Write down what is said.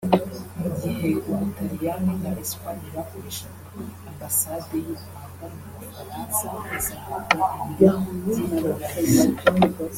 mu gihe u Butaliyani na Espagne bakoreshaga Ambasade y’u Rwanda mu Bufaransa bazahabwa ibiro by’itora bishya